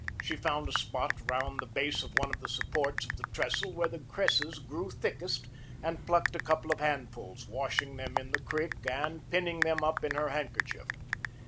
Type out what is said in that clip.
She found a spot around the base of one of the supports of the trestle where the cresses grew thickest, and plucked a couple of handfuls, washing them in the creek and pinning them up in her handkerchief.